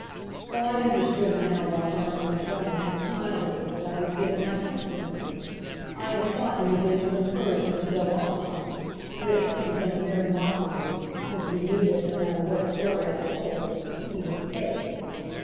Oh, I understood now why Johnny Montgomery had smiled at me as I was giving my testimony! I had thought it had been to encourage me to go on, but it must have been a mere mockery, since he knew that, no matter what story I told, he was safe.